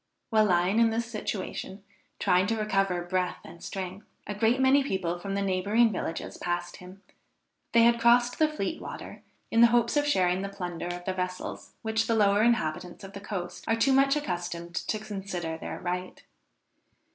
While lying in this situation, trying to recover breath and strength, a great many people from the neighboring villages passed him; they had crossed the Fleet water in the hopes of sharing the plunder of the vessels which the lower inhabitants of the coast are too much accustomed to consider their right.